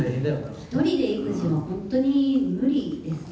１人で育児は本当に無理ですね。